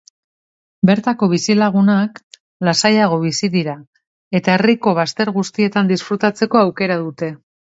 Bertako bizilagunak lasaiago bizi dira, eta herriko bazter guztietan disfrutatzeko aukera dute.